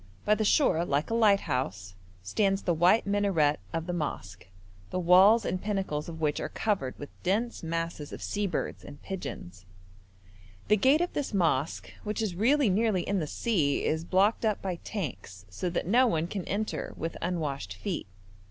By the shore, like a lighthouse, stands the white minaret of the mosque, the walls and pinnacles of which are covered with dense masses of sea birds and pigeons; the gate of this mosque, which is really nearly in the sea, is blocked up by tanks, so that no one can enter with unwashed feet.